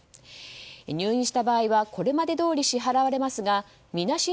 入院した場合はこれまでどおり支払われますがみなし